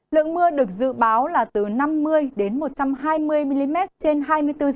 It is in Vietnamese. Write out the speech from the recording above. lượng mưa được dự báo là từ năm mươi đến một trăm hai mươi mm trên hai mươi bốn h